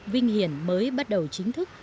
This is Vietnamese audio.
vinh hiển mới bắt đầu chính thức